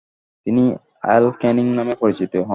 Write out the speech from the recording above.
তিনি Earl Canning নামে পরিচিত হন।